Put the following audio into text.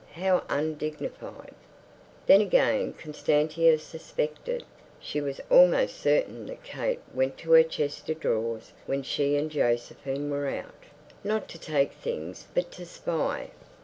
How undignified! Then again Constantia suspected, she was almost certain that Kate went to her chest of drawers when she and Josephine were out, not to take things but to spy.